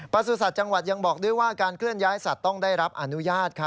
สุสัตว์จังหวัดยังบอกด้วยว่าการเคลื่อนย้ายสัตว์ต้องได้รับอนุญาต